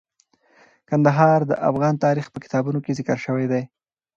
کندهار د افغان تاریخ په کتابونو کې ذکر شوی دي.